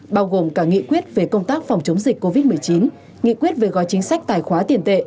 bao gồm cả nghị quyết về công tác phòng chống dịch covid một mươi chín nghị quyết về gói chính sách tài khoá tiền tệ